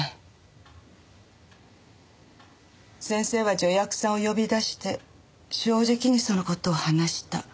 先生は助役さんを呼び出して正直にその事を話した。